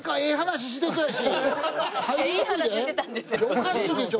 おかしいでしょそれ。